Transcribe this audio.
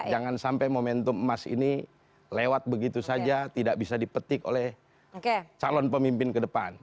jangan sampai momentum emas ini lewat begitu saja tidak bisa dipetik oleh calon pemimpin ke depan